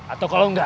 atau kalo enggak